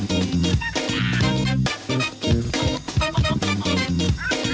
โปรดติดตามต่อไป